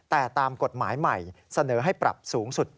แต่ตามกฎหมายใหม่เสนอให้ปรับสูงสุด